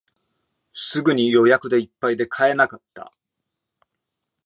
すぐに予約でいっぱいで買えなかった